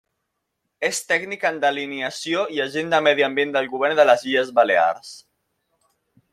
És tècnic en delineació i agent de medi ambient del Govern de les Illes Balears.